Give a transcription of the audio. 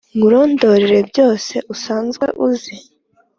Nkurondorere byose usanzwe uzi